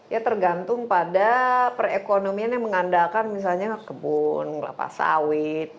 ya tergantung pada perekonomian yang mengandalkan misalnya kebun kelapa sawit